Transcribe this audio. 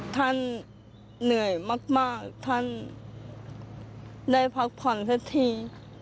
ท่านเหนื่อยมากท่านได้พักผ่อนสักที